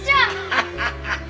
ハハハハ！